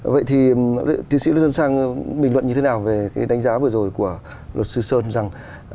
vậy thì tiến sĩ lê xuân sang bình luận như thế nào về cái đánh giá vừa rồi của luật sư sơn rằng